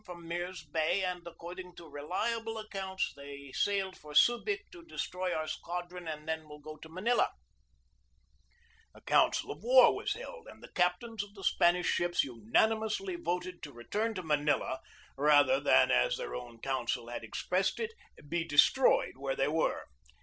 from Mirs Bay, and according to reliable accounts they sailed for Subig to destroy our squadron and then will go to Manila/' A council of war was held, and the captains of the Spanish ships unanimously voted to return to Manila rather than, as their own consul had ex pressed it, be destroyed where they were.